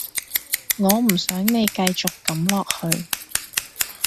我唔想你繼續噉落去